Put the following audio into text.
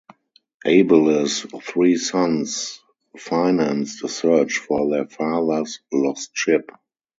Abele's three sons financed a search for their father's lost ship.